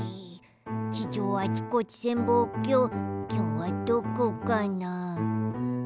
地上あちこち潜望鏡きょうはどこかな？